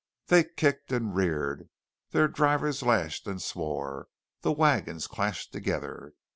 They kicked and reared, their drivers lashed and swore, the wagons clashed together.